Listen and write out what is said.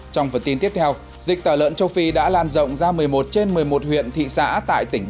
trong phần tin tiếp theo dịch tả lợn châu phi đã lan rộng ra một mươi một trên một mươi một đồng